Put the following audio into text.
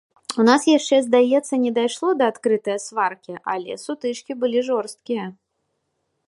У нас яшчэ, здаецца, не дайшло да адкрытае сваркі, але сутычкі былі жорсткія.